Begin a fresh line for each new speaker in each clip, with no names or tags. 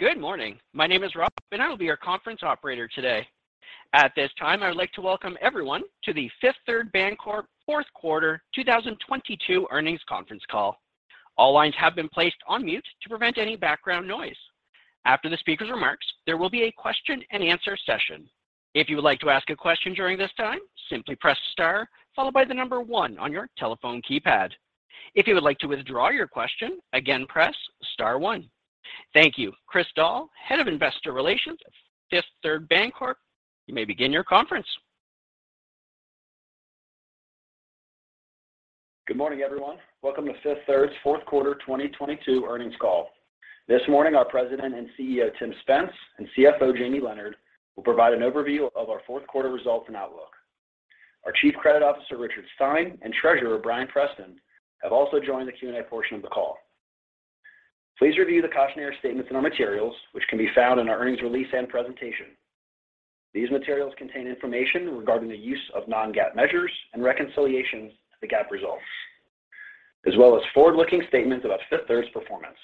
Good morning. My name is Rob, I will be your conference operator today. At this time, I would like to welcome everyone to the Fifth Third Bancorp fourth quarter 2022 earnings conference call. All lines have been placed on mute to prevent any background noise. After the speaker's remarks, there will be a question-and-answer session. If you would like to ask a question during this time, simply press star followed by the number one on your telephone keypad. If you would like to withdraw your question, again press star one. Thank you. Chris Doll, Head of Investor Relations at Fifth Third Bancorp, you may begin your conference.
Good morning, everyone. Welcome to Fifth Third's fourth quarter 2022 earnings call. This morning, our President and CEO, Tim Spence, and CFO, Jamie Leonard, will provide an overview of our fourth quarter results and outlook. Our Chief Credit Officer, Richard Stein, and Treasurer, Bryan Preston, have also joined the Q&A portion of the call. Please review the cautionary statements in our materials which can be found in our earnings release and presentation. These materials contain information regarding the use of non-GAAP measures and reconciliations to the GAAP results, as well as forward-looking statements about Fifth Third's performance.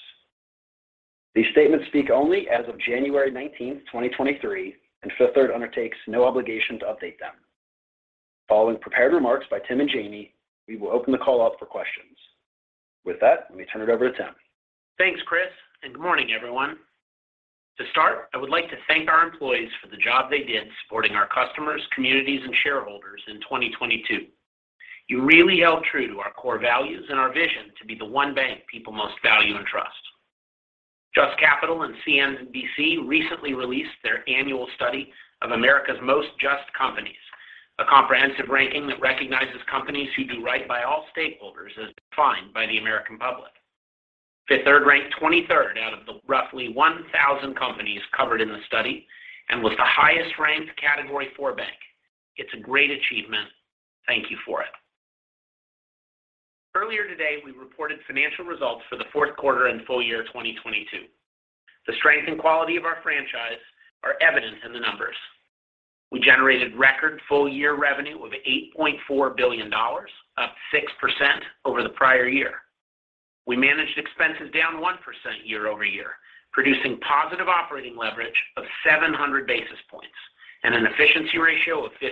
These statements speak only as of January 19th, 2023, Fifth Third undertakes no obligation to update them. Following prepared remarks by Tim and Jamie, we will open the call up for questions. With that, let me turn it over to Tim.
Thanks, Chris, and good morning, everyone. To start, I would like to thank our employees for the job they did supporting our customers, communities, and shareholders in 2022. You really held true to our core values and our vision to be the one bank people most value and trust. JUST Capital and CNBC recently released their annual study of America's Most JUST Companies, a comprehensive ranking that recognizes companies who do right by all stakeholders as defined by the American public. Fifth Third ranked 23rd out of the roughly 1,000 companies covered in the study and was the highest ranked Category IV bank. It's a great achievement. Thank you for it. Earlier today, we reported financial results for the fourth quarter and full year 2022. The strength and quality of our franchise are evident in the numbers. We generated record full year revenue of $8.4 billion, up 6% over the prior year. We managed expenses down 1% year-over-year, producing positive operating leverage of 700 basis points and an efficiency ratio of 56%.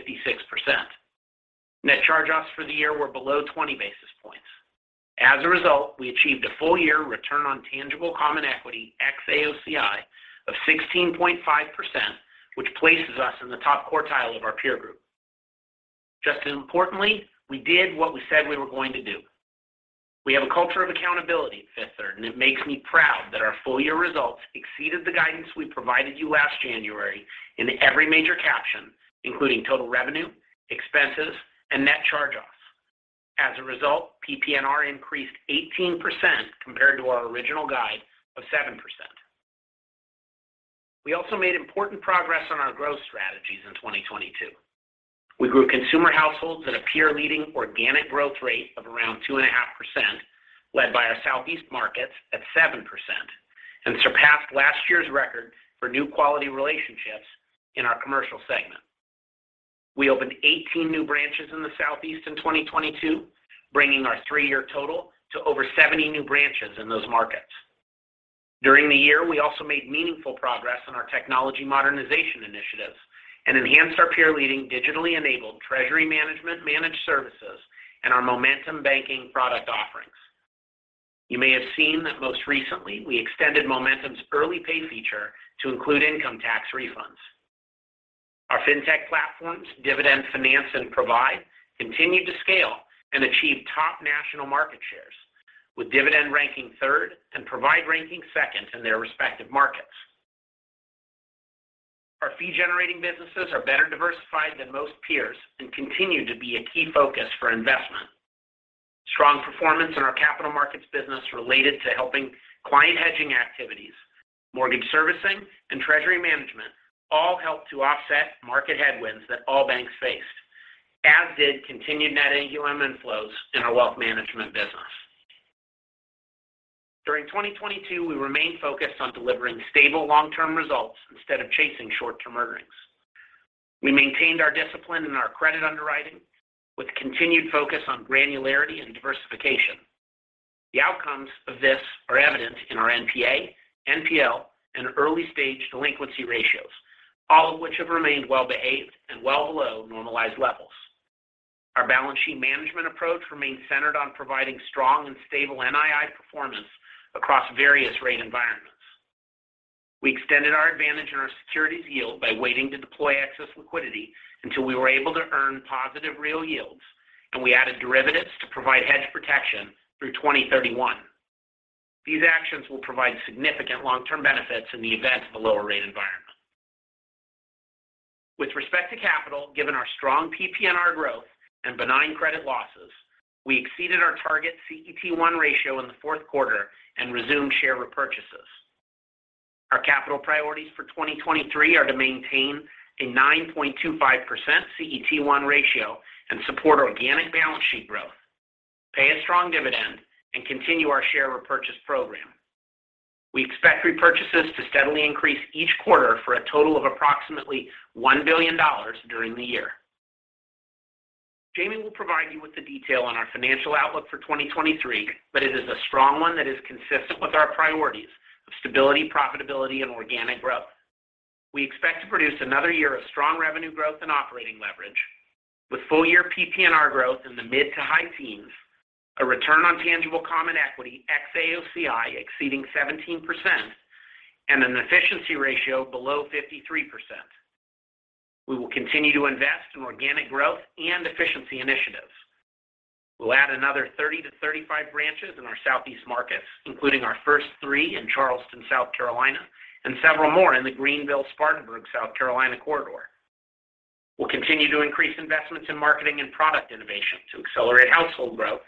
Net charge-offs for the year were below 20 basis points. As a result, we achieved a full year return on tangible common equity ex-AOCI of 16.5%, which places us in the top quartile of our peer group. Just as importantly, we did what we said we were going to do. We have a culture of accountability at Fifth Third. It makes me proud that our full year results exceeded the guidance we provided you last January in every major caption, including total revenue, expenses, and net charge-offs. As a result, PPNR increased 18% compared to our original guide of 7%. We also made important progress on our growth strategies in 2022. We grew consumer households at a peer-leading organic growth rate of around 2.5%, led by our Southeast markets at 7%, and surpassed last year's record for new quality relationships in our commercial segment. We opened 18 new branches in the Southeast in 2022, bringing our three-year total to over 70 new branches in those markets. During the year, we also made meaningful progress on our technology modernization initiatives and enhanced our peer-leading digitally enabled treasury management managed services and our Momentum Banking product offerings. You may have seen that most recently we extended Momentum's early pay feature to include income tax refunds. Our fintech platforms, Dividend Finance and Provide, continued to scale and achieve top national market shares, with Dividend ranking third and Provide ranking second in their respective markets. Our fee-generating businesses are better diversified than most peers and continue to be a key focus for investment. Strong performance in our capital markets business related to helping client hedging activities, mortgage servicing, and treasury management, all helped to offset market headwinds that all banks faced, as did continued net AUM inflows in our wealth management business. During 2022, we remained focused on delivering stable long-term results instead of chasing short-term earnings. We maintained our discipline in our credit underwriting with continued focus on granularity and diversification. The outcomes of this are evident in our NPA, NPL, and early-stage delinquency ratios, all of which have remained well-behaved and well below normalized levels. Our balance sheet management approach remains centered on providing strong and stable NII performance across various rate environments. We extended our advantage in our securities yield by waiting to deploy excess liquidity until we were able to earn positive real yields, and we added derivatives to provide hedge protection through 2031. These actions will provide significant long-term benefits in the event of a lower rate environment. With respect to capital, given our strong PPNR growth and benign credit losses, we exceeded our target CET1 ratio in the fourth quarter and resumed share repurchases. Our capital priorities for 2023 are to maintain a 9.25% CET1 ratio and support organic balance sheet growth, pay a strong dividend, and continue our share repurchase program. We expect repurchases to steadily increase each quarter for a total of approximately $1 billion during the year. Jamie will provide you with the detail on our financial outlook for 2023. It is a strong one that is consistent with our priorities of stability, profitability and organic growth. We expect to produce another year of strong revenue growth and operating leverage with full year PPNR growth in the mid to high teens, a return on tangible common equity ex-AOCI exceeding 17% and an efficiency ratio below 53%. We will continue to invest in organic growth and efficiency initiatives. We'll add another 30-35 branches in our southeast markets, including our first three in Charleston, South Carolina, and several more in the Greenville Spartanburg, South Carolina corridor. We'll continue to increase investments in marketing and product innovation to accelerate household growth,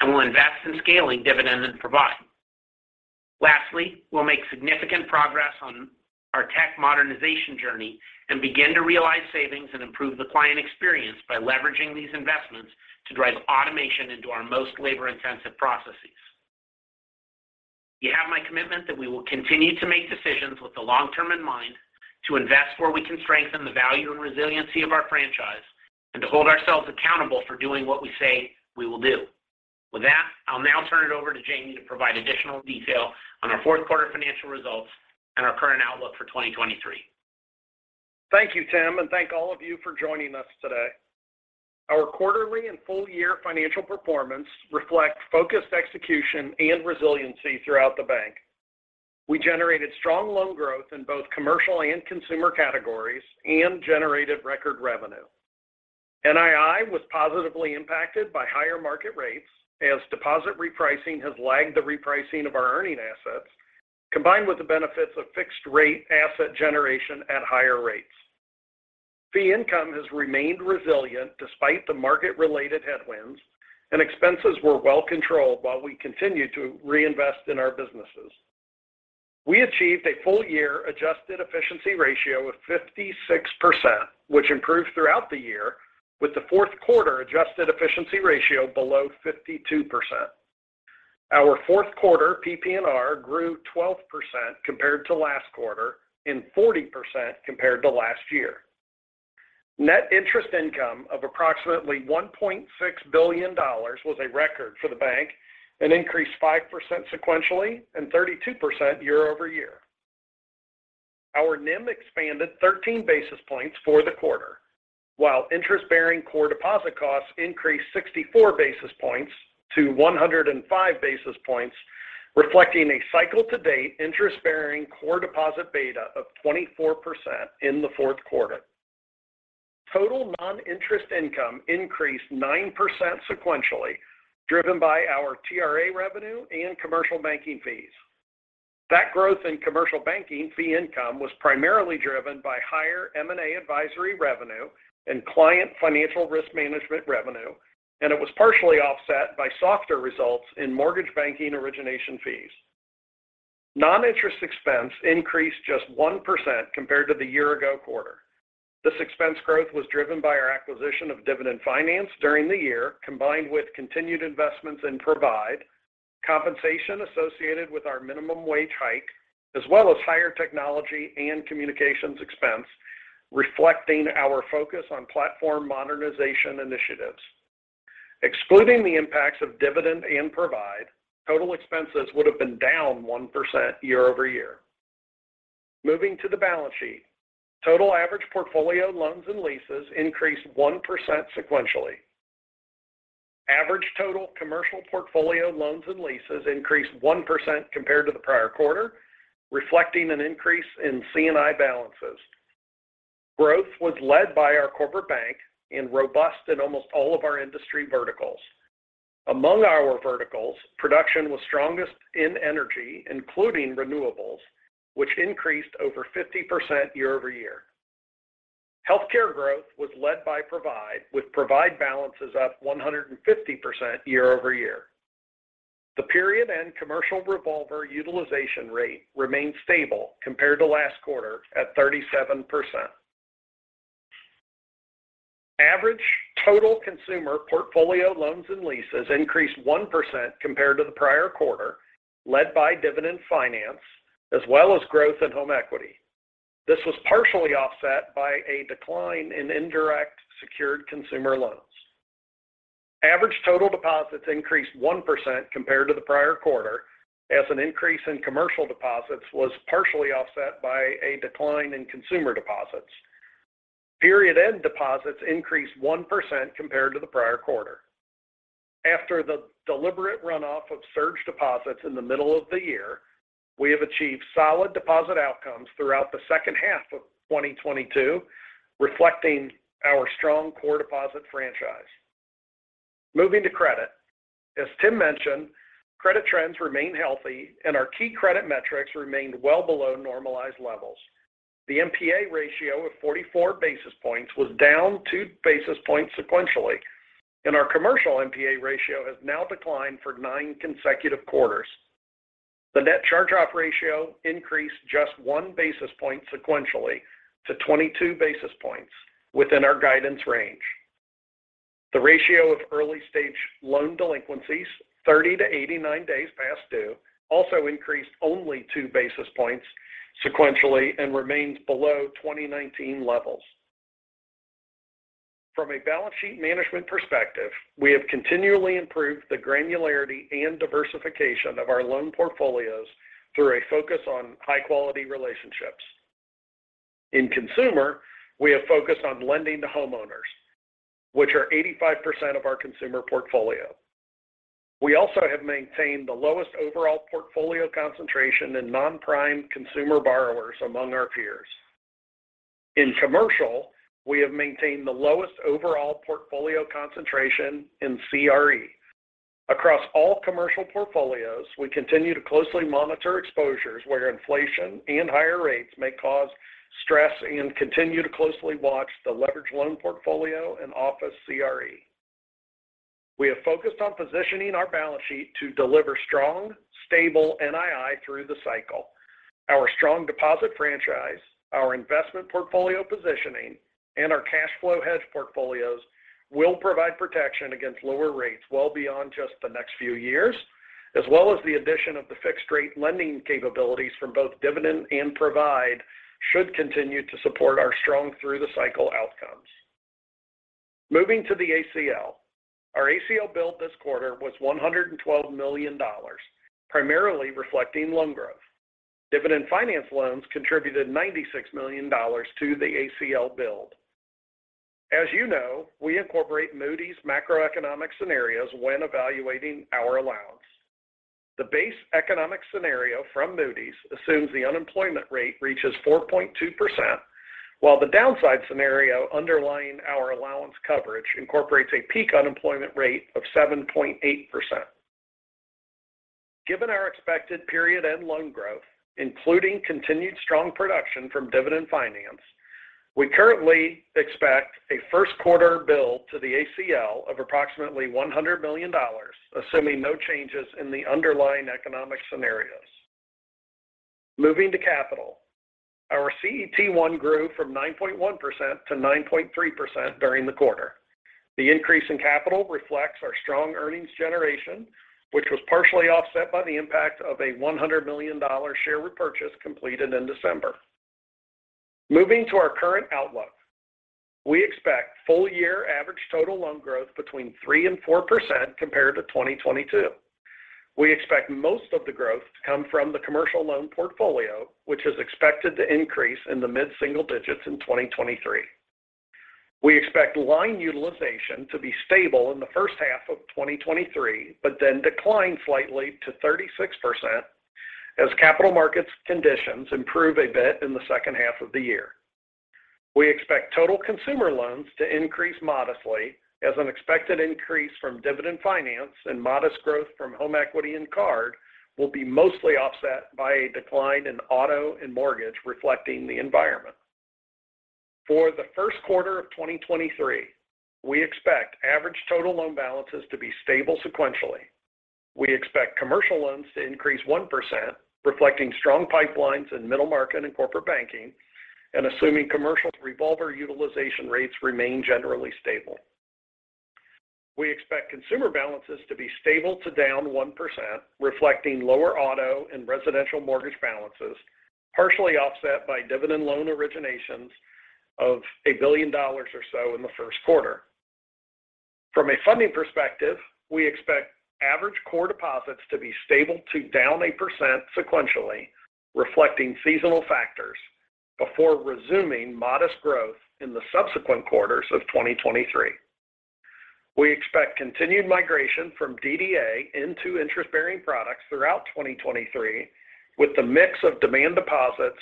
and we'll invest in scaling Dividend and Provide. Lastly, we'll make significant progress on our tech modernization journey and begin to realize savings and improve the client experience by leveraging these investments to drive automation into our most labor-intensive processes. You have my commitment that we will continue to make decisions with the long term in mind, to invest where we can strengthen the value and resiliency of our franchise, and to hold ourselves accountable for doing what we say we will do. With that, I'll now turn it over to Jamie to provide additional detail on our fourth quarter financial results and our current outlook for 2023.
Thank you, Tim, and thank all of you for joining us today. Our quarterly and full year financial performance reflect focused execution and resiliency throughout the bank. We generated strong loan growth in both commercial and consumer categories and generated record revenue. NII was positively impacted by higher market rates as deposit repricing has lagged the repricing of our earning assets, combined with the benefits of fixed rate asset generation at higher rates. Fee income has remained resilient despite the market related headwinds and expenses were well controlled while we continued to reinvest in our businesses. We achieved a full year adjusted efficiency ratio of 56%, which improved throughout the year with the fourth quarter adjusted efficiency ratio below 52%. Our fourth quarter PPNR grew 12% compared to last quarter and 40% compared to last year. Net interest income of approximately $1.6 billion was a record for the bank and increased 5% sequentially and 32% year-over-year. Our NIM expanded 13 basis points for the quarter, while interest-bearing core deposit costs increased 64 basis points to 105 basis points, reflecting a cycle to date interest-bearing core deposit beta of 24% in the fourth quarter. Total non-interest income increased 9% sequentially, driven by our TRA revenue and commercial banking fees. That growth in commercial banking fee income was primarily driven by higher M&A advisory revenue and client financial risk management revenue, and it was partially offset by softer results in mortgage banking origination fees. Non-interest expense increased just 1% compared to the year ago quarter. This expense growth was driven by our acquisition of Dividend Finance during the year, combined with continued investments in Provide, compensation associated with our minimum wage hike, as well as higher technology and communications expense, reflecting our focus on platform modernization initiatives. Excluding the impacts of Dividend and Provide, total expenses would have been down 1% year-over-year. Moving to the balance sheet, total average portfolio loans and leases increased 1% sequentially. Average total commercial portfolio loans and leases increased 1% compared to the prior quarter, reflecting an increase in CNI balances. Growth was led by our corporate bank in robust in almost all of our industry verticals. Among our verticals, production was strongest in energy, including renewables, which increased over 50% year-over-year. Healthcare growth was led by Provide, with Provide balances up 150% year-over-year. The period end commercial revolver utilization rate remained stable compared to last quarter at 37%. Average total consumer portfolio loans and leases increased 1% compared to the prior quarter, led by Dividend Finance as well as growth in home equity. This was partially offset by a decline in indirect secured consumer loans. Average total deposits increased 1% compared to the prior quarter as an increase in commercial deposits was partially offset by a decline in consumer deposits. Period end deposits increased 1% compared to the prior quarter. After the deliberate runoff of surge deposits in the middle of the year, we have achieved solid deposit outcomes throughout the second half of 2022, reflecting our strong core deposit franchise. Moving to credit. As Tim mentioned, credit trends remain healthy and our key credit metrics remained well below normalized levels. The NPA ratio of 44 basis points was down two basis points sequentially. Our commercial NPA ratio has now declined for nine consecutive quarters. The net charge off ratio increased just one basis point sequentially to 22 basis points within our guidance range. The ratio of early stage loan delinquencies, 30 to 89 days past due, also increased only two basis points sequentially and remains below 2019 levels. From a balance sheet management perspective, we have continually improved the granularity and diversification of our loan portfolios through a focus on high quality relationships. In consumer, we have focused on lending to homeowners, which are 85% of our consumer portfolio. We also have maintained the lowest overall portfolio concentration in non-prime consumer borrowers among our peers. In commercial, we have maintained the lowest overall portfolio concentration in CRE. Across all commercial portfolios, we continue to closely monitor exposures where inflation and higher rates may cause stress and continue to closely watch the leverage loan portfolio and office CRE. We have focused on positioning our balance sheet to deliver strong, stable NII through the cycle. Our strong deposit franchise, our investment portfolio positioning, and our cash flow hedge portfolios will provide protection against lower rates well beyond just the next few years, as well as the addition of the fixed rate lending capabilities from both Dividend and Provide should continue to support our strong through the cycle outcomes. Moving to the ACL. Our ACL build this quarter was $112 million, primarily reflecting loan growth. Dividend Finance loans contributed $96 million to the ACL build. As you know, we incorporate Moody's macroeconomic scenarios when evaluating our allowance. The base economic scenario from Moody's assumes the unemployment rate reaches 4.2%, while the downside scenario underlying our allowance coverage incorporates a peak unemployment rate of 7.8%. Given our expected period-end loan growth, including continued strong production from Dividend Finance, we currently expect a first quarter build to the ACL of approximately $100 million, assuming no changes in the underlying economic scenarios. Moving to capital. Our CET1 grew from 9.1% to 9.3% during the quarter. The increase in capital reflects our strong earnings generation, which was partially offset by the impact of a $100 million share repurchase completed in December. Moving to our current outlook. We expect full year average total loan growth between 3% and 4% compared to 2022. We expect most of the growth to come from the commercial loan portfolio, which is expected to increase in the mid-single digits in 2023. We expect line utilization to be stable in the first half of 2023, but then decline slightly to 36% as capital markets conditions improve a bit in the second half of the year. We expect total consumer loans to increase modestly as an expected increase from Dividend Finance and modest growth from home equity and card will be mostly offset by a decline in auto and mortgage reflecting the environment. For the first quarter of 2023, we expect average total loan balances to be stable sequentially. We expect commercial loans to increase 1%, reflecting strong pipelines in middle market and corporate banking, and assuming commercial revolver utilization rates remain generally stable. We expect consumer balances to be stable to down 1%, reflecting lower auto and residential mortgage balances, partially offset by Dividend loan originations of $1 billion or so in the first quarter. From a funding perspective, we expect average core deposits to be stable to down 1% sequentially reflecting seasonal factors before resuming modest growth in the subsequent quarters of 2023. We expect continued migration from DDA into interest-bearing products throughout 2023, with the mix of demand deposits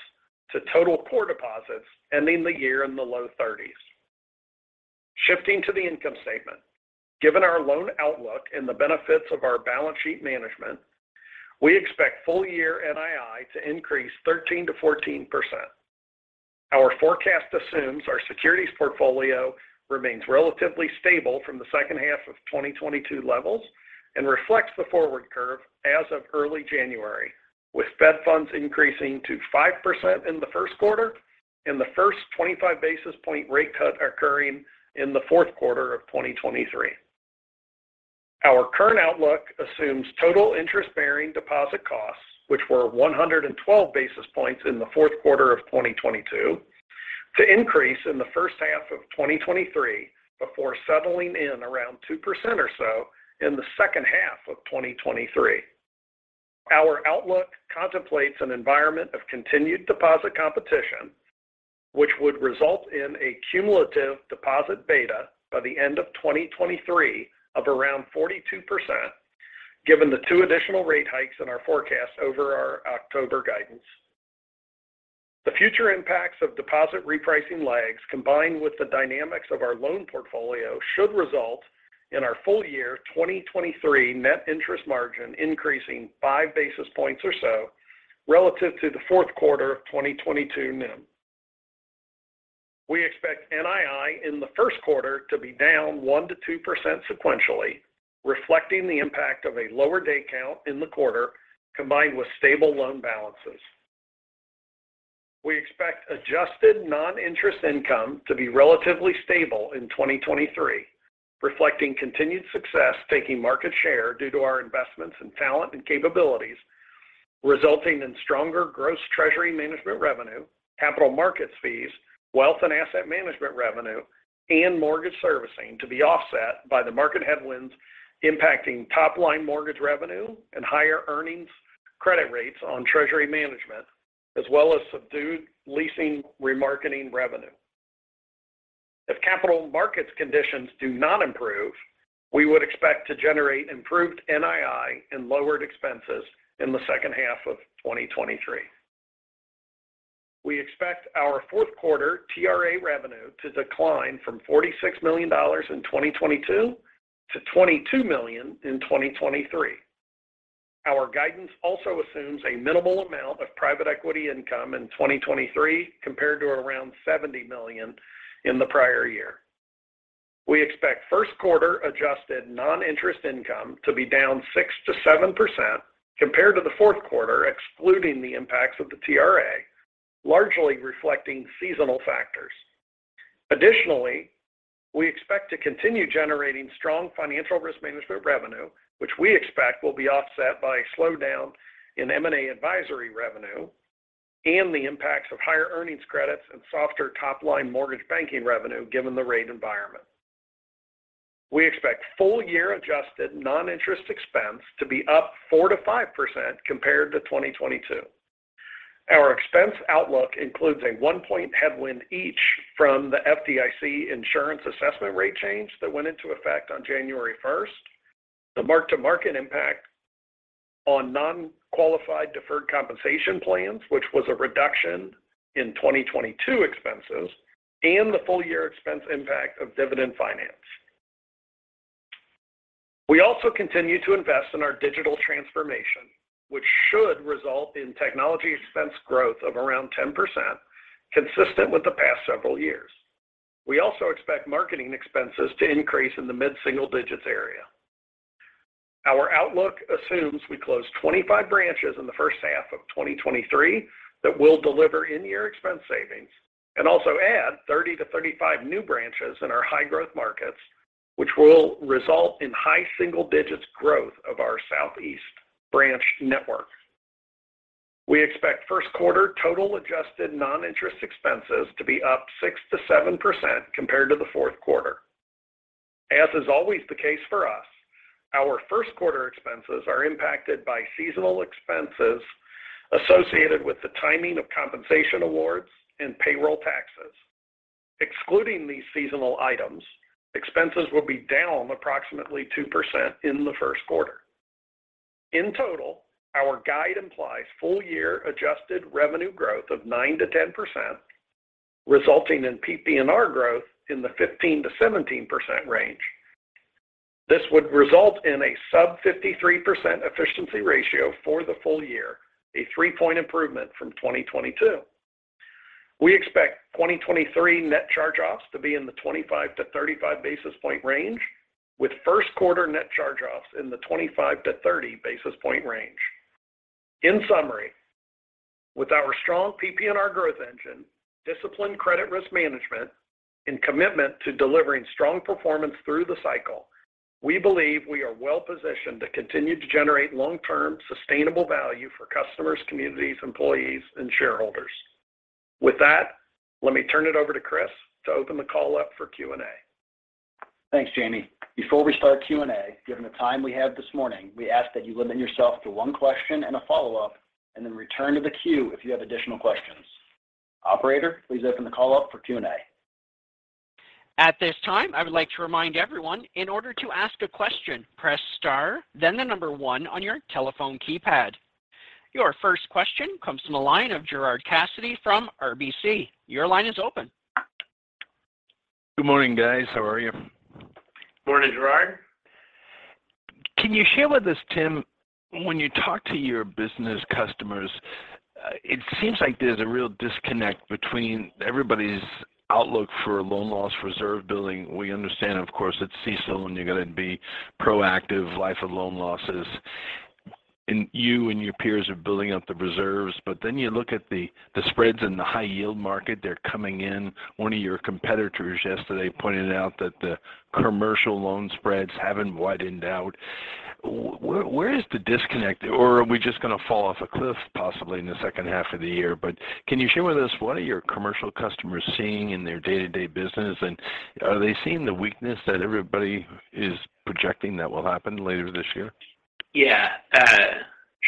to total core deposits ending the year in the low 30s. Shifting to the income statement. Given our loan outlook and the benefits of our balance sheet management, we expect full year NII to increase 13%-14%. Our forecast assumes our securities portfolio remains relatively stable from the second half of 2022 levels and reflects the forward curve as of early January, with Fed funds increasing to 5% in the first quarter and the first 25 basis point rate cut occurring in the fourth quarter of 2023. Our current outlook assumes total interest-bearing deposit costs, which were 112 basis points in the fourth quarter of 2022, to increase in the first half of 2023 before settling in around 2% or so in the second half of 2023. Our outlook contemplates an environment of continued deposit competition, which would result in a cumulative deposit beta by the end of 2023 of around 42% given the two additional rate hikes in our forecast over our October guidance. The future impacts of deposit repricing lags combined with the dynamics of our loan portfolio should result in our full year 2023 net interest margin increasing, five basis points or so relative to the fourth quarter of 2022 NIM. We expect NII in the first quarter to be down 1%-2% sequentially, reflecting the impact of a lower day count in the quarter combined with stable loan balances. We expect adjusted non-interest income to be relatively stable in 2023, reflecting continued success taking market share due to our investments in talent and capabilities resulting in stronger gross treasury management revenue, capital markets fees, wealth and asset management revenue, and mortgage servicing to be offset by the market headwinds impacting top-line mortgage revenue and higher earnings credit rates on treasury management, as well as subdued leasing remarketing revenue. If capital markets conditions do not improve, we would expect to generate improved NII and lowered expenses in the second half of 2023. We expect our fourth quarter TRA revenue to decline from $46 million in 2022 to $22 million in 2023. Our guidance also assumes a minimal amount of private equity income in 2023 compared to around $70 million in the prior year. We expect first quarter adjusted non-interest income to be down 6%-7% compared to the fourth quarter, excluding the impacts of the TRA, largely reflecting seasonal factors. Additionally, we expect to continue generating strong financial risk management revenue, which we expect will be offset by a slowdown in M&A advisory revenue and the impacts of higher earnings credits and softer top-line mortgage banking revenue given the rate environment. We expect full year adjusted non-interest expense to be up 4%-5% compared to 2022. Our expense outlook includes a one-point headwind each from the FDIC insurance assessment rate change that went into effect on January 1st, the mark-to-market impact on non-qualified deferred compensation plans, which was a reduction in 2022 expenses, and the full year expense impact of Dividend Finance. We also continue to invest in our digital transformation, which should result in technology expense growth of around 10% consistent with the past several years. We also expect marketing expenses to increase in the mid-single digits area. Our outlook assumes we close 25 branches in the first half of 2023 that will deliver in-year expense savings and also add 30-35 new branches in our high-growth markets, which will result in high single digits growth of our Southeast branch network. We expect first quarter total adjusted non-interest expenses to be up 6%-7% compared to the fourth quarter. As is always the case for us, our first quarter expenses are impacted by seasonal expenses associated with the timing of compensation awards and payroll taxes. Excluding these seasonal items, expenses will be down approximately 2% in the first quarter. In total, our guide implies full year adjusted revenue growth of 9%-10%, resulting in PPNR growth in the 15%-17% range. This would result in a sub 53% efficiency ratio for the full year, a three-point improvement from 2022. We expect 2023 net charge-offs to be in the 25-35 basis point range with first quarter net charge-offs in the 25-30 basis point range. In summary, with our strong PPNR growth engine, disciplined credit risk management, and commitment to delivering strong performance through the cycle, we believe we are well positioned to continue to generate long-term sustainable value for customers, communities, employees and shareholders. With that, let me turn it over to Chris to open the call up for Q&A.
Thanks, Jamie. Before we start Q&A, given the time we have this morning, we ask that you limit yourself to one question and a follow-up, and then return to the queue if you have additional questions. Operator, please open the call up for Q&A.
At this time, I would like to remind everyone in order to ask a question, press star, then the number one on your telephone keypad. Your first question comes from the line of Gerard Cassidy from RBC. Your line is open.
Good morning, guys. How are you?
Morning, Gerard.
Can you share with us, Tim, when you talk to your business customers, it seems like there's a real disconnect between everybody's outlook for loan loss reserve building. We understand, of course, it's CECL, and you're going to be proactive life of loan losses. You and your peers are building up the reserves, but then you look at the spreads in the high yield market, they're coming in. One of your competitors yesterday pointed out that the commercial loan spreads haven't widened out. Where is the disconnect? Are we just going to fall off a cliff possibly in the second half of the year? Can you share with us what are your commercial customers seeing in their day-to-day business? Are they seeing the weakness that everybody is projecting that will happen later this year?
Yeah.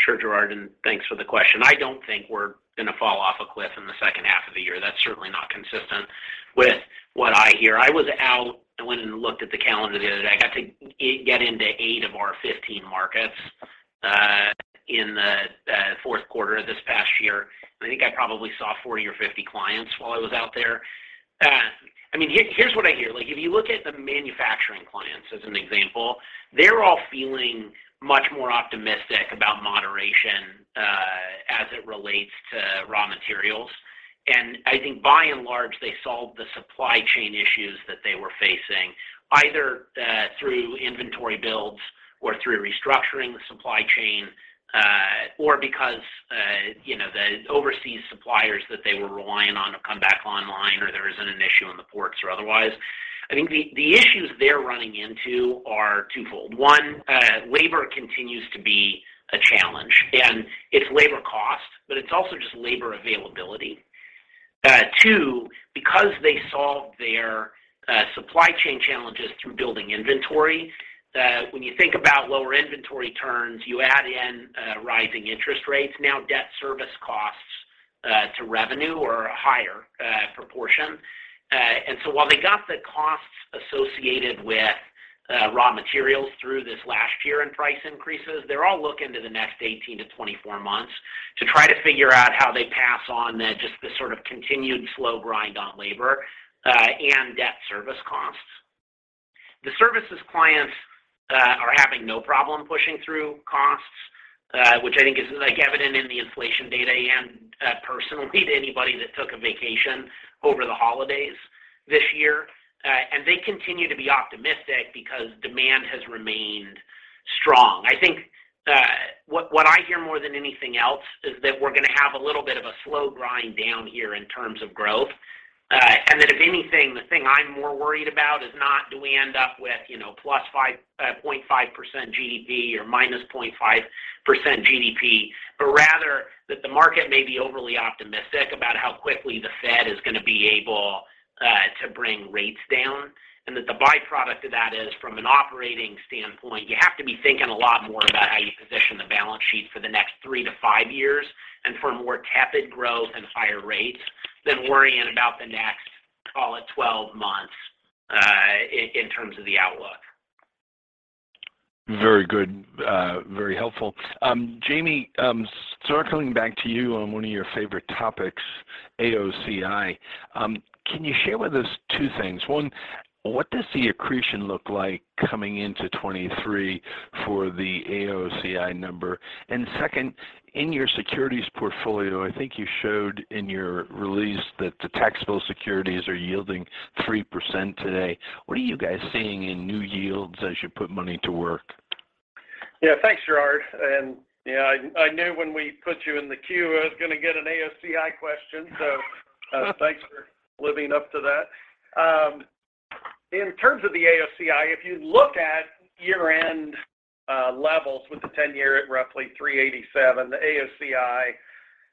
Sure, Gerard, and thanks for the question. I don't think we're going to fall off a cliff in the second half of the year. That's certainly not consistent with what I hear. I was out. I went and looked at the calendar the other day. I got to get into eight of our 15 markets in the fourth quarter this past year. I think I probably saw 40 or 50 clients while I was out there. I mean, here's what I hear. Like, if you look at the manufacturing clients as an example, they're all feeling much more optimistic about moderation as it relates to raw materials. I think by and large, they solved the supply chain issues that they were facing either through inventory builds or through restructuring the supply chain, or because, you know, the overseas suppliers that they were relying on have come back online or there isn't an issue in the ports or otherwise. I think the issues they're running into are twofold. One, labor continues to be a challenge, and it's labor cost, but it's also just labor availability. Two, because they solved their supply chain challenges through building inventory, when you think about lower inventory turns, you add in rising interest rates. Now debt service costs to revenue or a higher proportion. While they got the costs associated with raw materials through this last year in price increases, they're all looking to the next 18-24 months to try to figure out how they pass on the, just the sort of continued slow grind on labor and debt service costs. The services clients are having no problem pushing through costs, which I think is, like, evident in the inflation data and personally to anybody that took a vacation over the holidays this year. They continue to be optimistic because demand has remained strong. I think, what I hear more than anything else is that we're gonna have a little bit of a slow grind down here in terms of growth. If anything, the thing I'm more worried about is not do we end up with, you know, +0.5% GDP or -0.5% GDP, but rather that the market may be overly optimistic about how quickly the Fed is gonna be able to bring rates down. That the by-product of that is, from an operating standpoint, you have to be thinking a lot more about how you position the balance sheet for the next three to five years and for more tepid growth and higher rates than worrying about the next, call it, 12 months in terms of the outlook.
Very good. Very helpful. Jamie, circling back to you on one of your favorite topics, AOCI. Can you share with us two things? One, what does the accretion look like coming into 2023 for the AOCI number? Second, in your securities portfolio, I think you showed in your release that the taxable securities are yielding 3% today. What are you guys seeing in new yields as you put money to work?
Yeah, thanks, Gerard. Yeah, I knew when we put you in the queue, I was gonna get an AOCI question. Thanks for living up to that. In terms of the AOCI, if you look at year-end levels with the 10-year at roughly 387, the AOCI,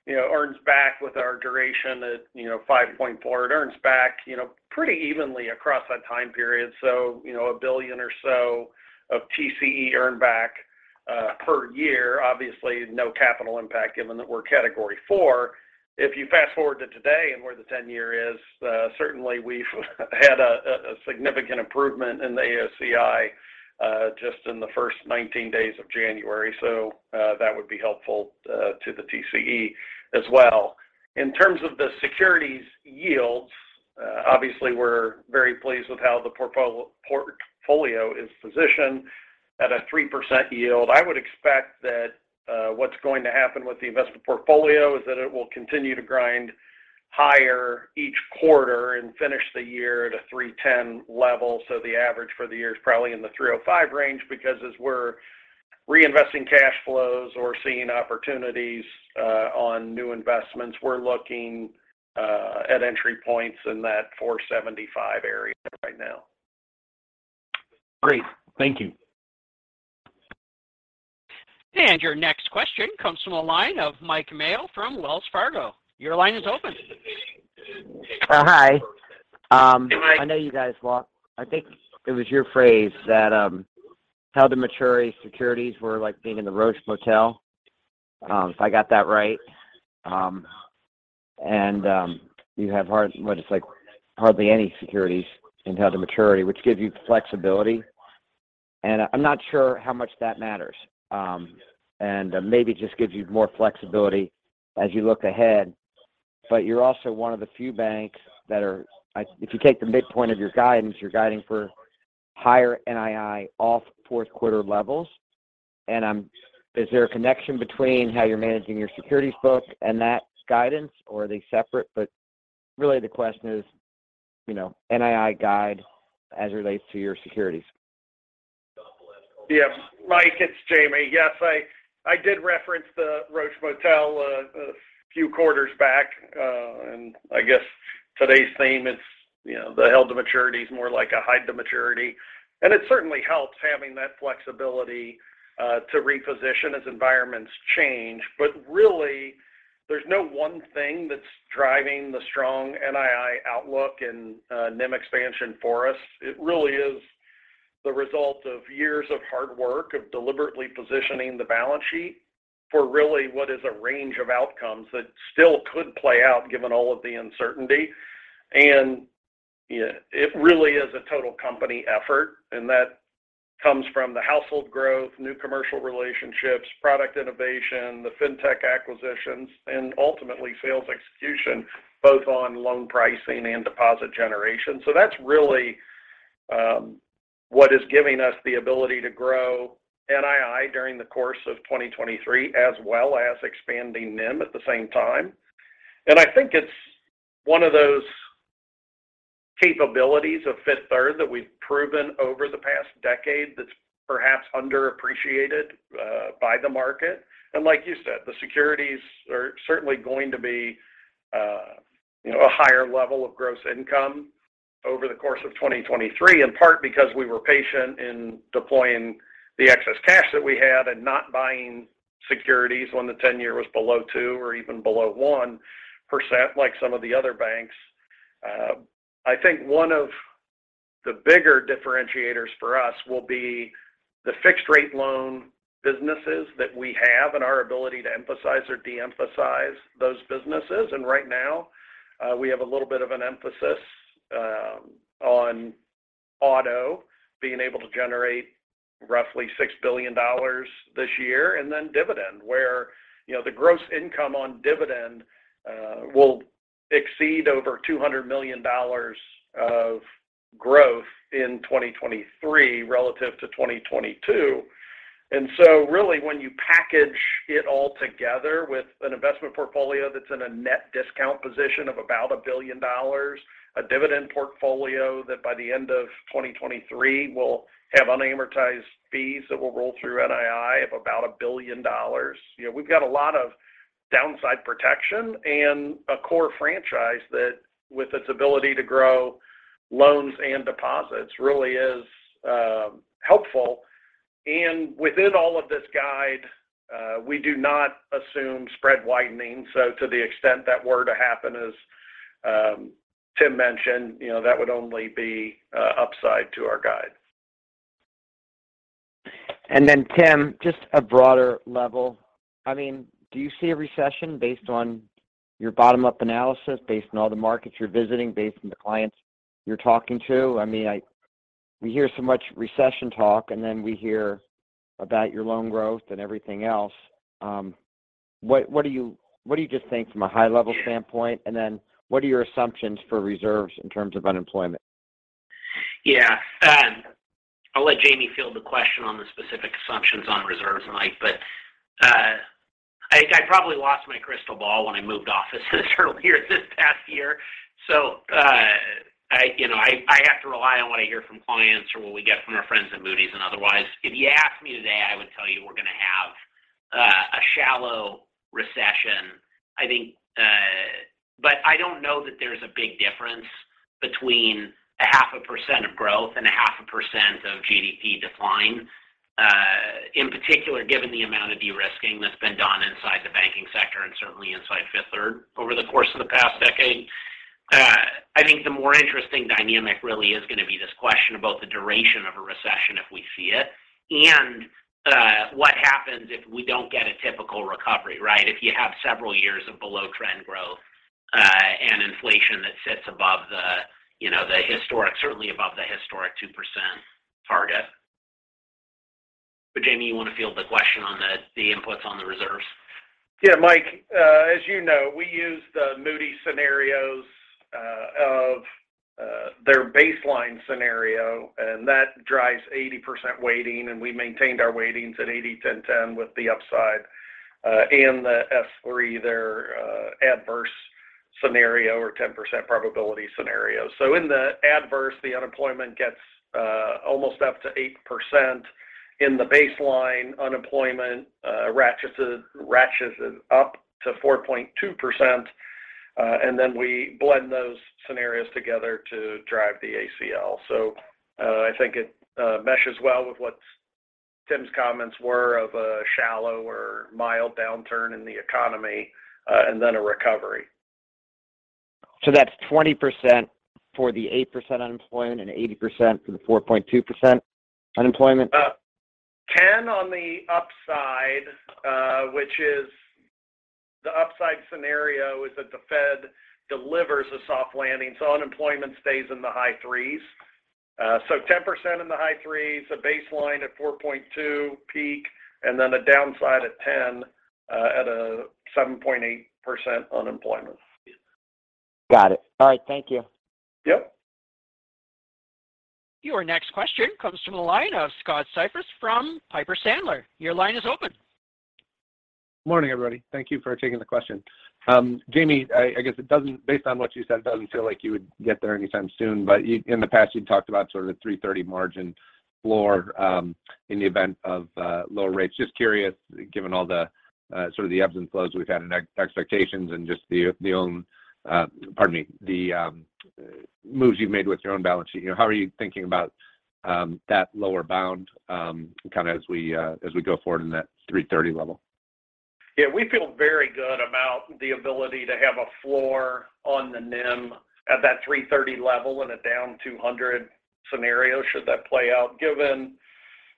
you know, earns back with our duration at, you know, 5.4. It earns back, you know, pretty evenly across that time period. You know, $1 billion or so of TCE earned back per year. Obviously, no capital impact given that we're Category IV. If you fast-forward to today and where the 10-year is, certainly we've had a significant improvement in the AOCI just in the first 19 days of January. That would be helpful to the TCE as well. In terms of the securities yields, obviously we're very pleased with how the portfolio is positioned at a 3% yield. I would expect that what's going to happen with the invested portfolio is that it will continue to grind higher each quarter and finish the year at a 3.10 level. The average for the year is probably in the 3.05 range because as we're reinvesting cash flows or seeing opportunities on new investments, we're looking at entry points in that 4.75 area right now.
Great. Thank you.
Your next question comes from the line of Mike Mayo from Wells Fargo. Your line is open.
Hi.
Hey, Mike.
I know you guys well. I think it was your phrase that how the maturity securities were like being in the Roach Motel, if I got that right. You have hardly any securities and held to maturity, which gives you flexibility. I'm not sure how much that matters. Maybe it just gives you more flexibility as you look ahead. You're also one of the few banks that are if you take the midpoint of your guidance, you're guiding for higher NII off fourth quarter levels. Is there a connection between how you're managing your securities book and that guidance, or are they separate? Really the question is, you know, NII guide as it relates to your securities.
Mike, it's Jamie. Yes, I did reference the Roach Motel a few quarters back. I guess today's theme, it's, you know, the held to maturity is more like a hide to maturity. It certainly helps having that flexibility to reposition as environments change. Really, there's no one thing that's driving the strong NII outlook and NIM expansion for us. It really is the result of years of hard work of deliberately positioning the balance sheet for really what is a range of outcomes that still could play out given all of the uncertainty. It really is a total company effort, and that comes from the household growth, new commercial relationships, product innovation, the fintech acquisitions, and ultimately sales execution, both on loan pricing and deposit generation. That's really what is giving us the ability to grow NII during the course of 2023 as well as expanding NIM at the same time. I think it's one of those capabilities of Fifth Third that we've proven over the past decade that's perhaps underappreciated by the market. Like you said, the securities are certainly going to be, you know, a higher level of gross income over the course of 2023, in part because we were patient in deploying the excess cash that we had and not buying securities when the 10-year was below 2% or even below 1% like some of the other banks. I think one of the bigger differentiators for us will be the fixed rate loan businesses that we have and our ability to emphasize or de-emphasize those businesses. Right now, we have a little bit of an emphasis on auto being able to generate roughly $6 billion this year. Dividend, where, you know, the gross income on Dividend will exceed over $200 million of growth in 2023 relative to 2022. Really, when you package it all together with an investment portfolio that's in a net discount position of about $1 billion, a Dividend portfolio that by the end of 2023 will have unamortized fees that will roll through NII of about $1 billion. You know, we've got a lot of downside protection and a core franchise that with its ability to grow loans and deposits really is helpful. Within all of this guide, we do not assume spread widening. To the extent that were to happen, as Tim mentioned, you know, that would only be upside to our guide.
Tim, just a broader level. I mean, do you see a recession based on your bottom-up analysis, based on all the markets you're visiting, based on the clients you're talking to? I mean, we hear so much recession talk, and then we hear about your loan growth and everything else. What do you just think from a high level standpoint? What are your assumptions for reserves in terms of unemployment?
Yeah. I'll let Jamie field the question on the specific assumptions on reserves, Mike. I probably lost my crystal ball when I moved offices earlier this past year. I, you know, I have to rely on what I hear from clients or what we get from our friends at Moody's and otherwise. If you asked me today, I would tell you we're going to have a shallow recession, I think. I don't know that there's a big difference between a 0.5% of growth and a 0.5% of GDP decline in particular, given the amount of de-risking that's been done inside the banking sector and certainly inside Fifth Third over the course of the past decade. I think the more interesting dynamic really is going to be this question about the duration of a recession if we see it, and what happens if we don't get a typical recovery, right? If you have several years of below trend growth, and inflation that sits above the historic, certainly above the historic 2% target. Jamie, you want to field the question on the inputs on the reserves?
Yeah, Mike. As you know, we use the Moody's scenarios of their baseline scenario, and that drives 80% weighting, and we maintained our weightings at 80/10/10 with the upside and the S3, their adverse scenario or 10% probability scenario. In the adverse, the unemployment gets almost up to 8%. In the baseline, unemployment ratchetes up to 4.2%. We blend those scenarios together to drive the ACL. I think it meshes well with what Tim's comments were of a shallow or mild downturn in the economy and a recovery.
That's 20% for the 8% unemployment and 80% for the 4.2% unemployment?
10 on the upside, which is the upside scenario is that the Fed delivers a soft landing, unemployment stays in the high 3s. 10% in the high 3s, a baseline at 4.2 peak, and then a downside at 10, at a 7.8% unemployment.
Got it. All right, thank you.
Yep.
Your next question comes from the line of Scott Siefers from Piper Sandler. Your line is open.
Morning, everybody. Thank you for taking the question. Jamie, I guess based on what you said, it doesn't feel like you would get there anytime soon. In the past, you'd talked about sort of the 3.30 margin floor, in the event of lower rates. Just curious, given all the sort of the ebbs and flows we've had in expectations and just the own, pardon me, the moves you've made with your own balance sheet, you know, how are you thinking about that lower bound, kind of as we as we go forward in that 3.30 level?
Yeah, we feel very good about the ability to have a floor on the NIM at that 330 level in a down 200 scenario should that play out.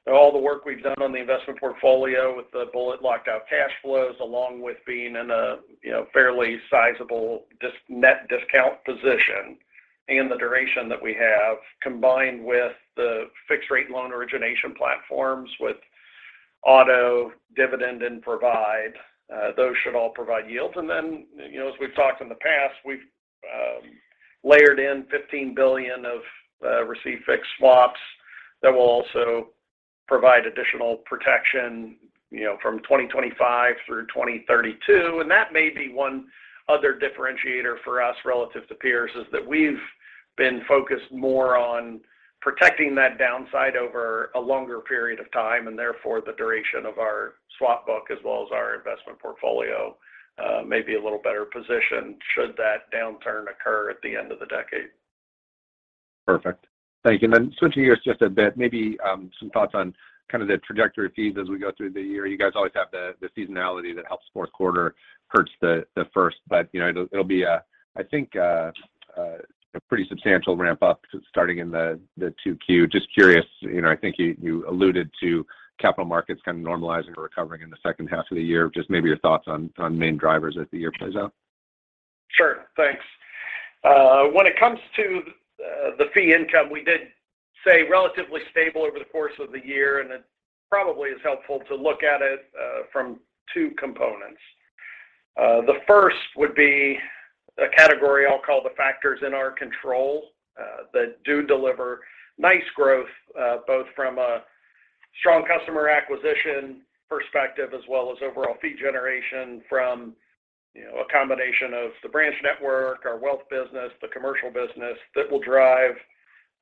Given all the work we've done on the investment portfolio with the bullet locked out cash flows, along with being in a, you know, fairly sizable net discount position and the duration that we have, combined with the fixed rate loan origination platforms with auto, Dividend and Provide, those should all provide yields. You know, as we've talked in the past, we've layered in $15 billion of received fixed swaps that will Provide additional protection, you know, from 2025 through 2032. That may be one other differentiator for us relative to peers, is that we've been focused more on protecting that downside over a longer period of time, and therefore the duration of our swap book as well as our investment portfolio, may be a little better positioned should that downturn occur at the end of the decade.
Perfect. Thank you. Switching gears just a bit, maybe, some thoughts on kind of the trajectory of fees as we go through the year. You guys always have the seasonality that helps fourth quarter, hurts the first. But, you know, it'll be a, I think, a pretty substantial ramp up starting in the 2Q. Just curious, you know, I think you alluded to capital markets kind of normalizing or recovering in the second half of the year. Just maybe your thoughts on main drivers as the year plays out?
Sure. Thanks. When it comes to the fee income, we did say relatively stable over the course of the year, and it probably is helpful to look at it from two components. The first would be a category I'll call the factors in our control that do deliver nice growth both from a strong customer acquisition perspective as well as overall fee generation from, you know, a combination of the branch network, our wealth business, the commercial business that will drive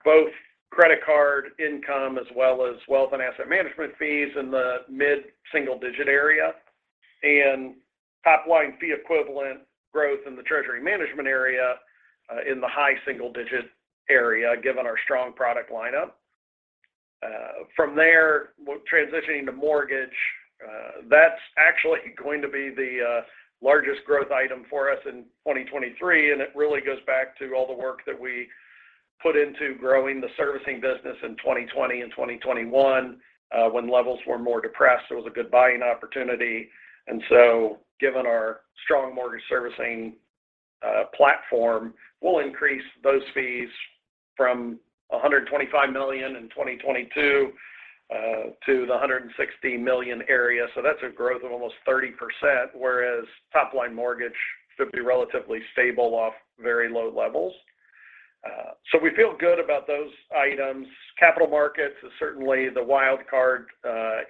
both credit card income as well as wealth and asset management fees in the mid-single digit area. Top line fee equivalent growth in the treasury management area in the high single digit area, given our strong product lineup. From there, transitioning to mortgage, that's actually going to be the largest growth item for us in 2023, it really goes back to all the work that we put into growing the servicing business in 2020 and 2021, when levels were more depressed. It was a good buying opportunity. Given our strong mortgage servicing platform, we'll increase those fees from $125 million in 2022 to the $160 million area. That's a growth of almost 30%, whereas top-line mortgage should be relatively stable off very low levels. We feel good about those items. Capital markets is certainly the wild card,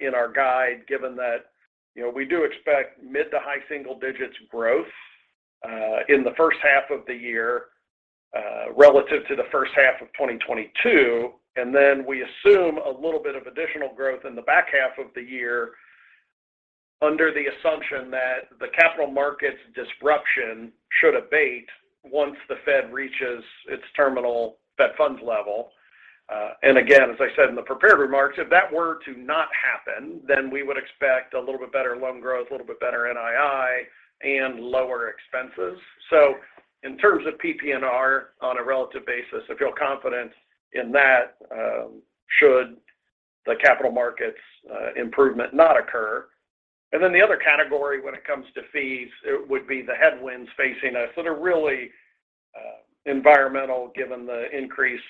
in our guide, given that, you know, we do expect mid to high single-digit growth, in the first half of the year, relative to the first half of 2022. We assume a little bit of additional growth in the back half of the year under the assumption that the capital markets disruption should abate once the Fed reaches its terminal Fed funds level. Again, as I said in the prepared remarks, if that were to not happen, then we would expect a little bit better loan growth, a little bit better NII and lower expenses. In terms of PPNR on a relative basis, I feel confident in that, should the capital markets improvement not occur. The other category when it comes to fees, it would be the headwinds facing us that are really environmental given the increase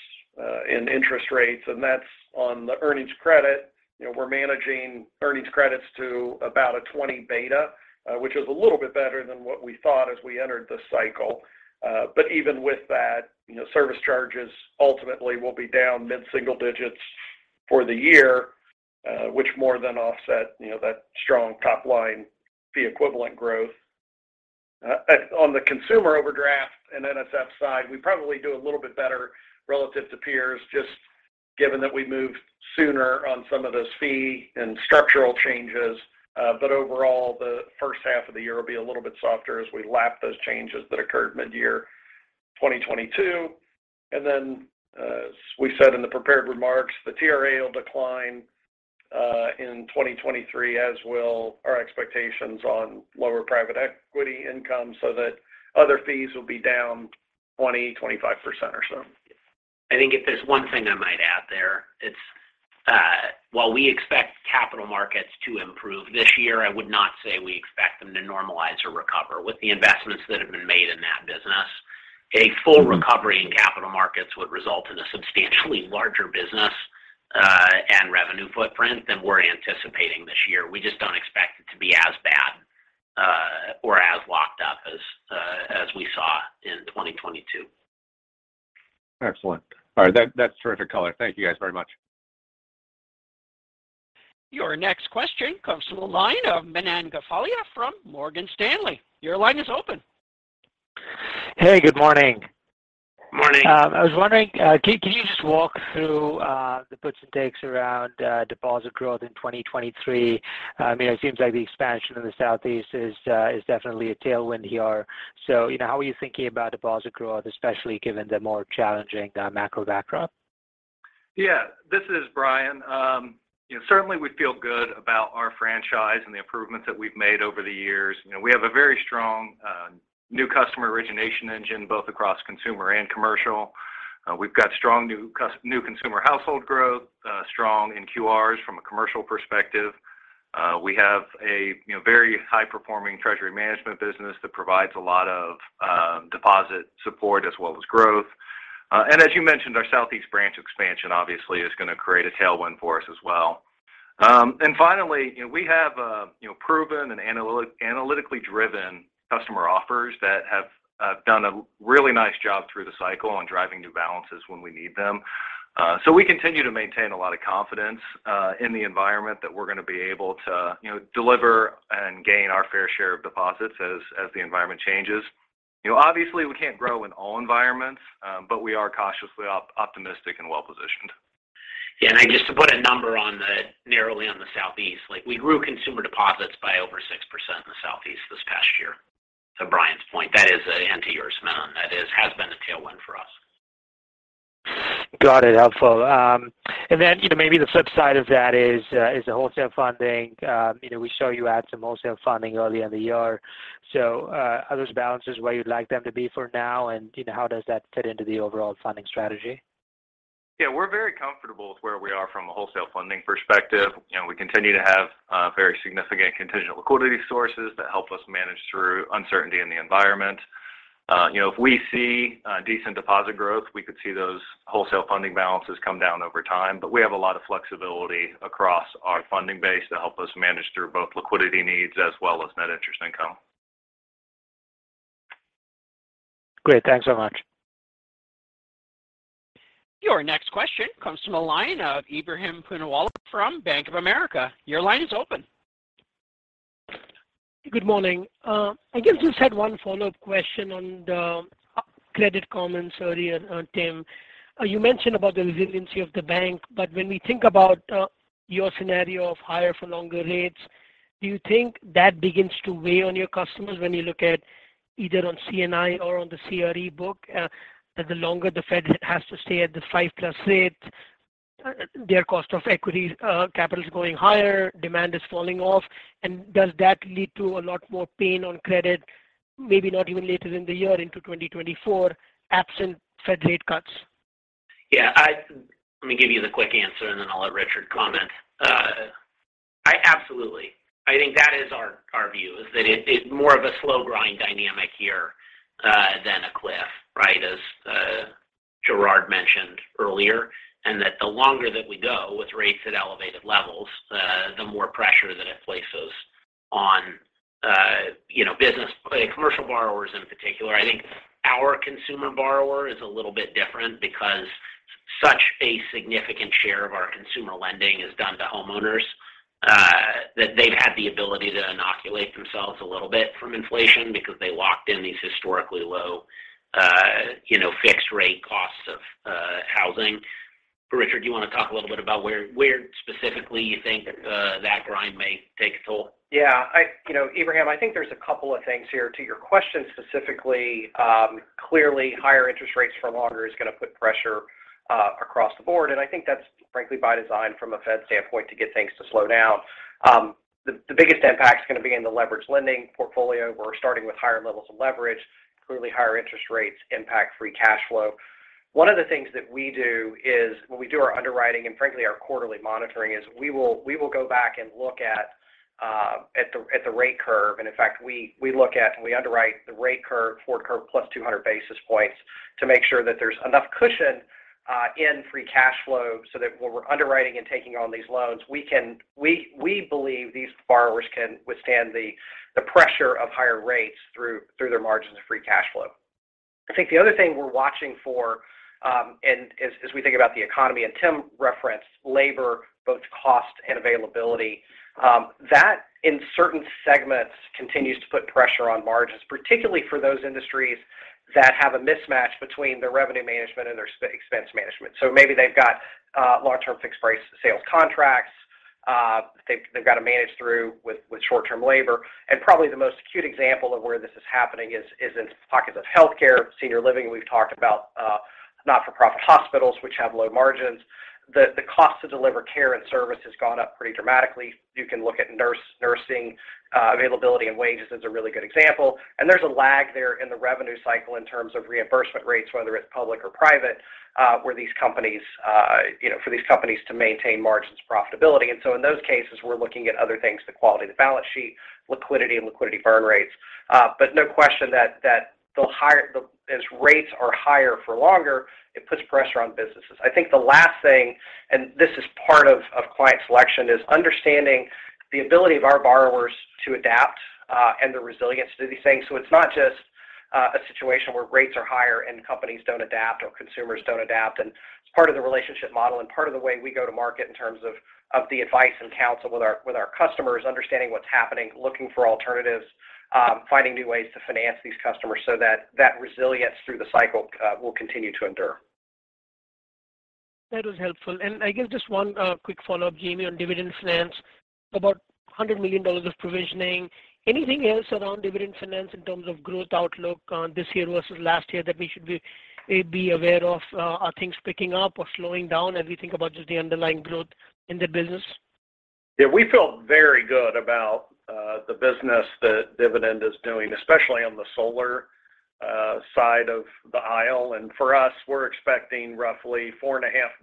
in interest rates. That's on the earnings credit. You know, we're managing earnings credits to about a 20 beta, which is a little bit better than what we thought as we entered this cycle. Even with that, you know, service charges ultimately will be down mid-single digits for the year, which more than offset, you know, that strong top-line fee equivalent growth. On the consumer overdraft and NSF side, we probably do a little bit better relative to peers just given that we moved sooner on some of those fee and structural changes. But overall, the first half of the year will be a little bit softer as we lap those changes that occurred mid-year 2022. As we said in the prepared remarks, the TRA will decline, in 2023, as will our expectations on lower private equity income so that other fees will be down 20%-25% or so.
I think if there's one thing I might add there, it's, while we expect capital markets to improve this year, I would not say we expect them to normalize or recover. With the investments that have been made in that business, a full recovery in capital markets would result in a substantially larger business, and revenue footprint than we're anticipating this year. We just don't expect it to be as bad, or as locked up as we saw in 2022.
Excellent. All right. That's terrific color. Thank you guys very much.
Your next question comes from the line of Manan Gosalia from Morgan Stanley. Your line is open.
Hey, good morning.
Morning.
I was wondering, can you just walk through the puts and takes around deposit growth in 2023? I mean, it seems like the expansion in the Southeast is definitely a tailwind here. You know, how are you thinking about deposit growth, especially given the more challenging macro backdrop?
Yeah. This is Bryan. you know, certainly we feel good about our franchise and the improvements that we've made over the years. You know, we have a very strong new customer origination engine, both across consumer and commercial. We've got strong new consumer household growth, strong new QRs from a commercial perspective. We have a, you know, very high-performing treasury management business that provides a lot of deposit support as well as growth. As you mentioned, our Southeast branch expansion obviously is going to create a tailwind for us as well. Finally, you know, we have, you know, proven and analytically driven customer offers that have done a really nice job through the cycle on driving new balances when we need them. We continue to maintain a lot of confidence in the environment that we're gonna be able to, you know, deliver and gain our fair share of deposits as the environment changes. You know, obviously, we can't grow in all environments, but we are cautiously optimistic and well-positioned.
Yeah. I guess to put a number narrowly on the Southeast, like we grew consumer deposits by over 6% in the Southeast this past year. To Bryan's point, that is an anti-year amount. That has been a tailwind for us.
Got it. Helpful. You know, maybe the flip side of that is the wholesale funding. You know, we show you had some wholesale funding early in the year. Are those balances where you'd like them to be for now? You know, how does that fit into the overall funding strategy?
We're very comfortable with where we are from a wholesale funding perspective. You know, we continue to have very significant contingent liquidity sources that help us manage through uncertainty in the environment. You know, if we see decent deposit growth, we could see those wholesale funding balances come down over time. We have a lot of flexibility across our funding base to help us manage through both liquidity needs as well as net interest income.
Great. Thanks so much.
Your next question comes from the line of Ebrahim Poonawala from Bank of America. Your line is open.
Good morning. I guess just had one follow-up question on the credit comments earlier, Tim. You mentioned about the resiliency of the bank, but when we think about your scenario of higher for longer rates, do you think that begins to weigh on your customers when you look at either on CNI or on the CRE book? That the longer the Fed has to stay at the 5+ rate, their cost of equity capital is going higher, demand is falling off, and does that lead to a lot more pain on credit? Maybe not even later in the year into 2024, absent Fed rate cuts.
Yeah. Let me give you the quick answer, and then I'll let Richard comment. Absolutely. I think that is our view is that it is more of a slow grind dynamic here than a cliff, right? Gerard mentioned earlier, that the longer that we go with rates at elevated levels, the more pressure that it places on, you know, commercial borrowers in particular. I think our consumer borrower is a little bit different because such a significant share of our consumer lending is done to homeowners, that they've had the ability to inoculate themselves a little bit from inflation because they locked in these historically low, you know, fixed rate costs of housing. Richard, do you want to talk a little bit about where specifically you think that grind may take a toll?
Yeah. You know, Ebrahim, I think there's a couple of things here to your question specifically. Clearly, higher interest rates for longer is going to put pressure across the board, I think that's frankly by design from a Fed standpoint to get things to slow down. The biggest impact is going to be in the leverage lending portfolio. We're starting with higher levels of leverage. Clearly, higher interest rates impact free cash flow. One of the things that we do is when we do our underwriting and frankly our quarterly monitoring is we will go back and look at at the rate curve. In fact, we look at and we underwrite the rate curve, forward curve plus 200 basis points to make sure that there's enough cushion in free cash flow so that when we're underwriting and taking on these loans. We believe these borrowers can withstand the pressure of higher rates through their margins of free cash flow. I think the other thing we're watching for, as we think about the economy, Tim referenced labor, both cost and availability, that in certain segments continues to put pressure on margins, particularly for those industries that have a mismatch between their revenue management and their expense management. Maybe they've got long-term fixed price sales contracts, they've got to manage through with short-term labor. Probably the most acute example of where this is happening is in pockets of healthcare, senior living. We've talked about not-for-profit hospitals which have low margins. The cost to deliver care and service has gone up pretty dramatically. You can look at nursing availability and wages as a really good example. There's a lag there in the revenue cycle in terms of reimbursement rates, whether it's public or private, you know, for these companies to maintain margins profitability. In those cases, we're looking at other things, the quality of the balance sheet, liquidity and liquidity burn rates. No question that as rates are higher for longer, it puts pressure on businesses. I think the last thing, this is part of client selection, is understanding the ability of our borrowers to adapt and the resilience to do these things. It's not just a situation where rates are higher and companies don't adapt or consumers don't adapt. It's part of the relationship model and part of the way we go to market in terms of the advice and counsel with our customers, understanding what's happening, looking for alternatives, finding new ways to finance these customers so that resilience through the cycle will continue to endure.
That was helpful. I guess just one, quick follow-up, Jamie, on Dividend Finance. About $100 million of provisioning. Anything else around Dividend Finance in terms of growth outlook, this year versus last year that we should be aware of? Are things picking up or slowing down as we think about just the underlying growth in the business?
Yeah. We feel very good about the business that Dividend is doing, especially on the solar side of the aisle. For us, we're expecting roughly 4.5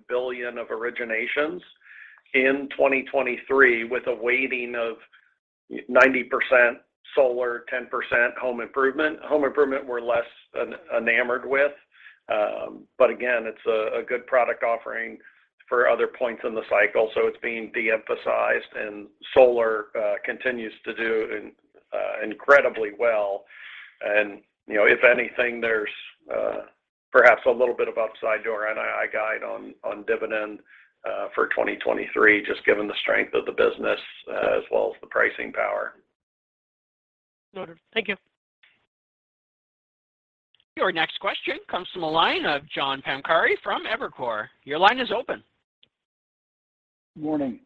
Billion of originations in 2023 with a weighting of 90% solar, 10% home improvement. Home improvement we're less enamored with. Again, it's a good product offering for other points in the cycle. It's being de-emphasized, and solar continues to do incredibly well. You know, if anything, there's perhaps a little bit of upside to our NII guide on dividend for 2023, just given the strength of the business as well as the pricing power.
Noted. Thank you.
Your next question comes from the line of John Pancari from Evercore. Your line is open.
Morning.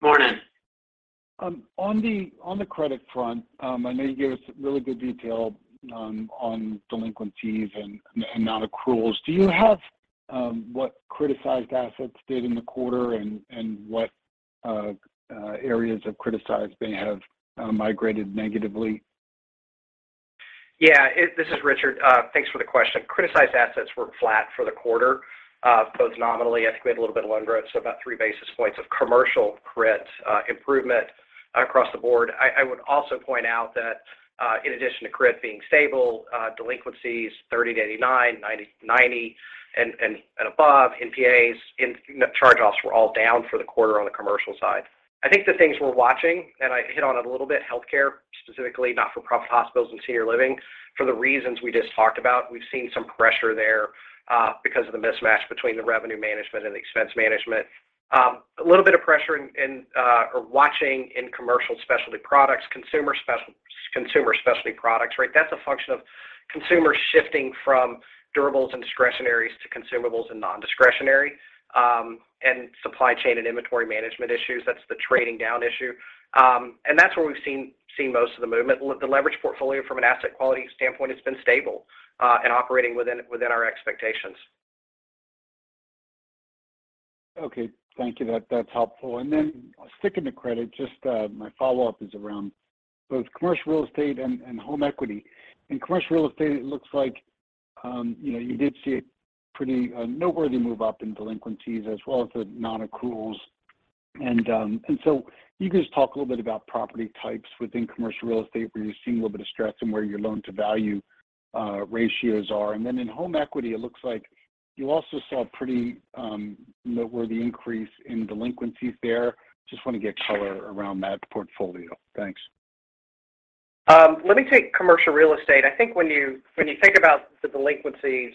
Morning.
On the credit front, I know you gave us really good detail on delinquencies and non-accruals. Do you have what criticized assets did in the quarter and what areas of criticized may have migrated negatively?
Yeah. This is Richard. Thanks for the question. Criticized assets were flat for the quarter, both nominally. I think we had a little bit of undergrowth, so about three basis points of commercial credit improvement across the board. I would also point out that, in addition to credit being stable, delinquencies 30-89, 90-90 and above, NPAs and charge-offs were all down for the quarter on the commercial side. I think the things we're watching, and I hit on it a little bit, healthcare specifically, not-for-profit hospitals and senior living for the reasons we just talked about. We've seen some pressure there, because of the mismatch between the revenue management and the expense management. A little bit of pressure in or watching in commercial specialty products. Consumer specialty products, right? That's a function of consumers shifting from durables and discretionaries to consumables and non-discretionary, and supply chain and inventory management issues. That's the trading down issue. That's where we've seen most of the movement. The leverage portfolio from an asset quality standpoint has been stable, and operating within our expectations.
Okay. Thank you. That's helpful. Sticking to credit, just my follow-up is around both commercial real estate and home equity. In commercial real estate, it looks like, you know, you did see a pretty noteworthy move up in delinquencies as well as the non-accruals. Can you just talk a little bit about property types within commercial real estate where you're seeing a little bit of stress and where your loan-to-value ratios are? In home equity, it looks like you also saw a pretty noteworthy increase in delinquencies there. Just want to get color around that portfolio. Thanks.
Let me take commercial real estate. I think when you think about the delinquencies,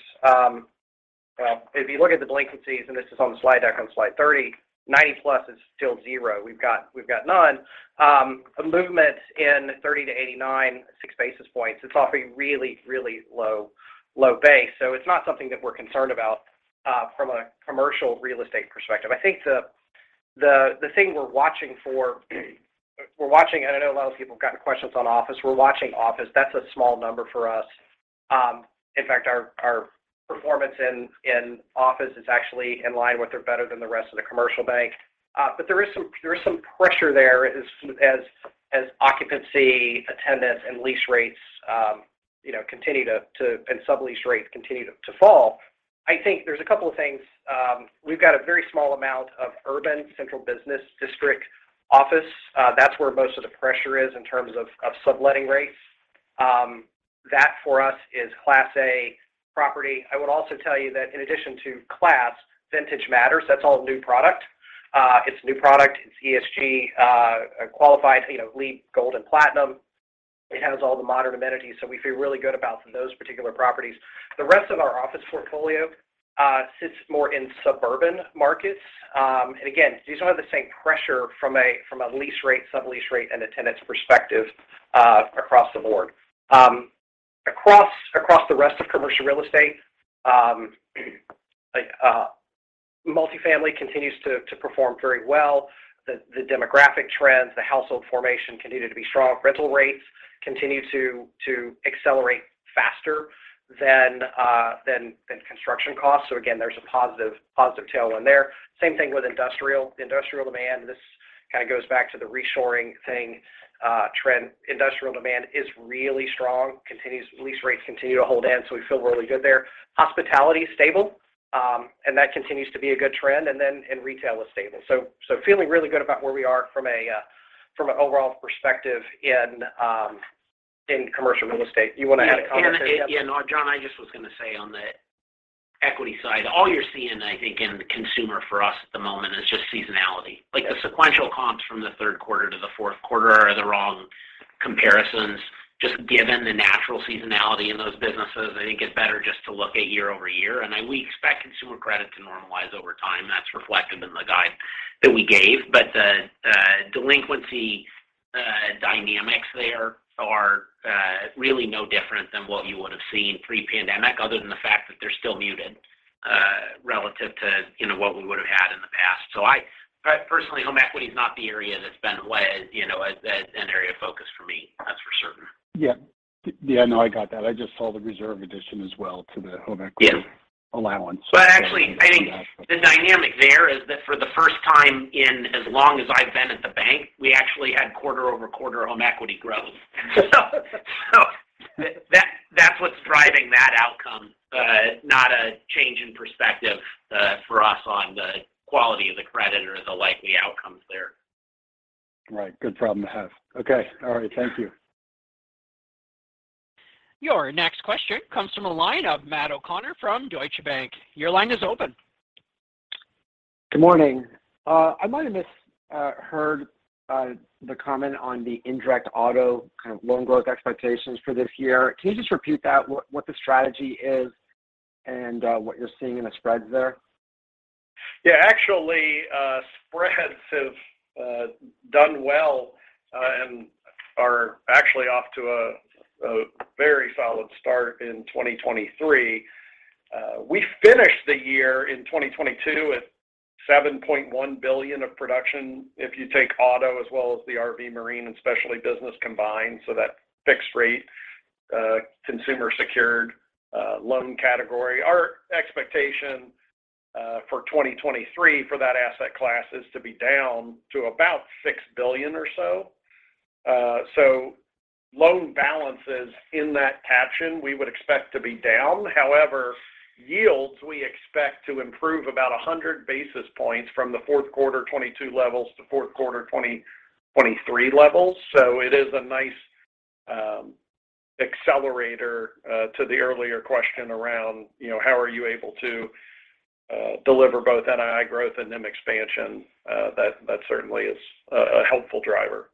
if you look at the delinquencies, and this is on the slide deck on slide 30, 90-plus is still zero. We've got none. A movement in 30 to 89, six basis points. It's off a really, really low, low base. It's not something that we're concerned about from a commercial real estate perspective. I think the thing we're watching for. I know a lot of people have gotten questions on office. We're watching office. That's a small number for us. In fact, our performance in office is actually in line with or better than the rest of the commercial bank. There is some pressure there as occupancy, attendance, and lease rates, you know, continue to and sublease rates continue to fall. I think there's a couple of things. We've got a very small amount of urban central business district office. That's where most of the pressure is in terms of subletting rates. That for us is Class A property. I would also tell you that in addition to class, vintage matters. That's all new product. It's new product. It's ESG qualified, you know, LEED Gold and Platinum. It has all the modern amenities, so we feel really good about those particular properties. The rest of our office portfolio sits more in suburban markets. Again, these don't have the same pressure from a lease rate, sublease rate, and attendance perspective across the board. Across the rest of commercial real estate, multifamily continues to perform very well. The demographic trends, the household formation continue to be strong. Rental rates continue to accelerate faster than construction costs. Again, there's a positive tailwind there. Same thing with industrial. Industrial demand, this kind of goes back to the reshoring thing, trend. Industrial demand is really strong. Lease rates continue to hold in, so we feel really good there. Hospitality is stable, and that continues to be a good trend. Then retail is stable. Feeling really good about where we are from an overall perspective in commercial real estate. You want to add a comment there, Tim?
Yeah. No, John, I just was going to say on the equity side, all you're seeing, I think, in consumer for us at the moment is just seasonality. Like, the sequential comps from the third quarter to the fourth quarter are the wrong comparisons. Just given the natural seasonality in those businesses, I think it's better just to look at year-over-year. We expect consumer credit to normalize over time. That's reflective in the guide that we gave. The delinquency dynamics there are really no different than what you would've seen pre-pandemic other than the fact that they're still muted relative to, you know, what we would've had in the past. Personally, home equity is not the area that's been way, you know, as an area of focus for me. That's for certain.
Yeah. Yeah, no, I got that. I just saw the reserve addition as well to the home equity-
Yeah.
-allowance.
Actually, I think the dynamic there is that for the first time in as long as I've been at the bank, we actually had quarter-over-quarter home equity growth. That was driving that outcome, not a change in perspective, for us on the quality of the credit or the likely outcomes there.
Right. Good problem to have. Okay. All right. Thank you.
Your next question comes from a line of Matt O'Connor from Deutsche Bank. Your line is open.
Good morning. I might have misheard the comment on the indirect auto kind of loan growth expectations for this year. Can you just repeat that? What the strategy is and what you're seeing in the spreads there?
Yeah. Actually, spreads have done well and are actually off to a very solid start in 2023. We finished the year in 2022 at $7.1 billion of production if you take auto as well as the RV, marine, and specialty business combined. That's fixed rate, consumer secured, loan category. Our expectation for 2023 for that asset class is to be down to about $6 billion or so. Loan balances in that caption, we would expect to be down. However, yields we expect to improve about 100 basis points from the fourth quarter 2022 levels to fourth quarter 2023 levels. It is a nice accelerator to the earlier question around, you know, how are you able to deliver both NII growth and NIM expansion? That certainly is a helpful driver.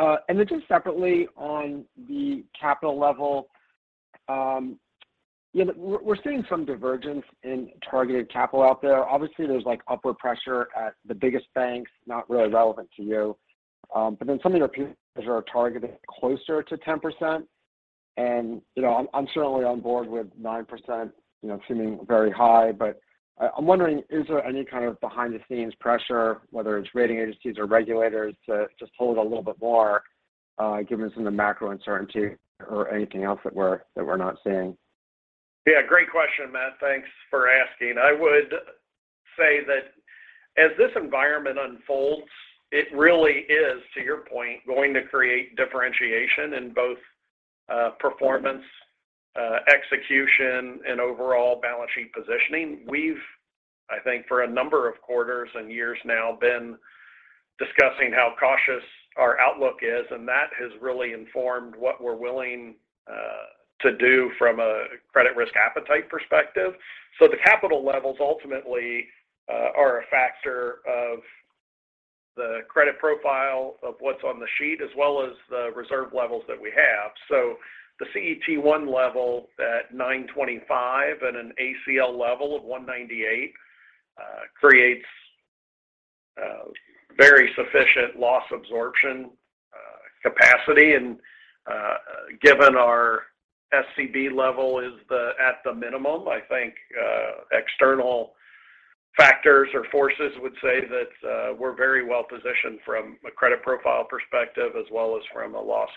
Got it. Then just separately on the capital level. Yeah, we're seeing some divergence in targeted capital out there. Obviously, there's like upward pressure at the biggest banks, not really relevant to you. Then some of your peers are targeted closer to 10%. You know, I'm certainly on board with 9%, you know, seeming very high. I'm wondering is there any kind of behind the scenes pressure, whether it's rating agencies or regulators to just hold a little bit more, given some of the macro uncertainty or anything else that we're, that we're not seeing?
Yeah, great question, Matt. Thanks for asking. I would say that as this environment unfolds, it really is, to your point, going to create differentiation in both performance, execution and overall balance sheet positioning. We've, I think for a number of quarters and years now, been discussing how cautious our outlook is, and that has really informed what we're willing to do from a credit risk appetite perspective. The capital levels ultimately are a factor of the credit profile of what's on the sheet as well as the reserve levels that we have. The CET1 level at 9.25% and an ACL level of 1.98% creates very sufficient loss absorption capacity. Given our SCB level is at the minimum, I think, external factors or forces would say that, we're very well positioned from a credit profile perspective as well as from a loss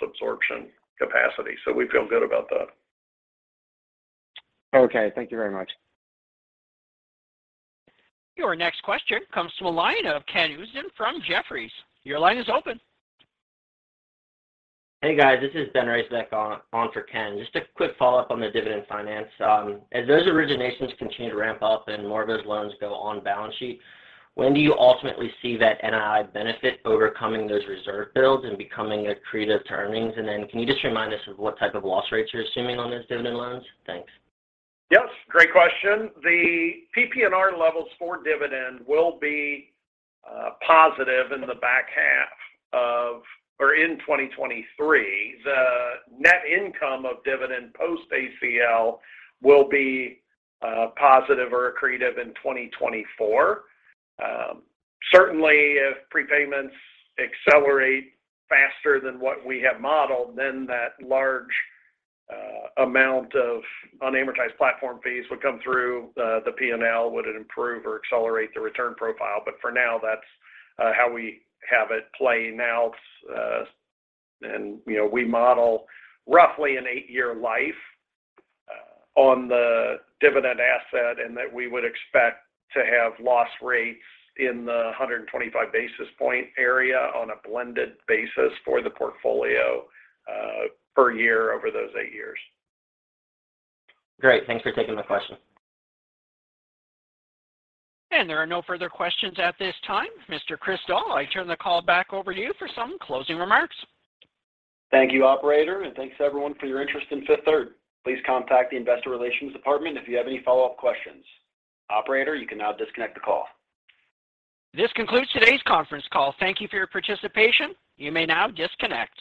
absorption capacity. We feel good about that.
Okay. Thank you very much.
Your next question comes from a line of Ken Usdin from Jefferies. Your line is open.
Hey, guys. This is Benjamin Reitzes on for Ken. Just a quick follow-up on the Dividend Finance. As those originations continue to ramp up and more of those loans go on balance sheet, when do you ultimately see that NII benefit overcoming those reserve builds and becoming accretive to earnings? Can you just remind us of what type of loss rates you're assuming on those Dividend loans? Thanks.
Yes, great question. The PPNR levels for Dividend will be positive in the back half of or in 2023. The net income of Dividend post ACL will be positive or accretive in 2024. Certainly if prepayments accelerate faster than what we have modeled, then that large amount of unamortized platform fees would come through the PNL, would it improve or accelerate the return profile. For now, that's how we have it playing out. You know, we model roughly an eight-year life on the Dividend asset, and that we would expect to have loss rates in the 125 basis point area on a blended basis for the portfolio, per year over those 8 years.
Great. Thanks for taking the question.
There are no further questions at this time. Mr. Chris Doll, I turn the call back over to you for some closing remarks.
Thank you, operator, and thanks everyone for your interest in Fifth Third. Please contact the investor relations department if you have any follow-up questions. Operator, you can now disconnect the call.
This concludes today's conference call. Thank you for your participation. You may now disconnect.